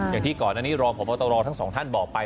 อย่างที่ก่อนไหนรอของพอมตลอดทั้ง๒ท่านบอกไป